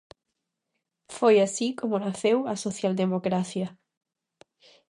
Foi así como naceu a socialdemocracia.